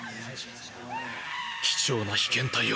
貴重な被験体を。